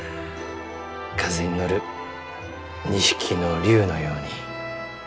風に乗る２匹の竜のように。